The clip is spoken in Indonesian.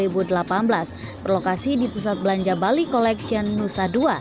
berlokasi di pusat belanja bali collection nusa dua